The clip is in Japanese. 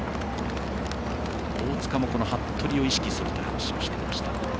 大塚も、服部を意識するという話をしていました。